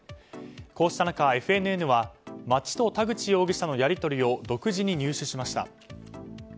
こうした中、ＦＮＮは町と田口容疑者のやり取りを独自に入手しました。